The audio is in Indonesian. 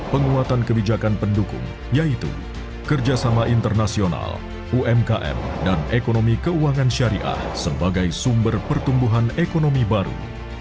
penguatan kebijakan pendukung yaitu kerjasama internasional umkm dan ekonomi keuangan syariah sebagai sumber pertumbuhan ekonomi baru